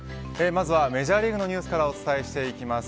まずはメジャーリーグのニュースからお伝えします。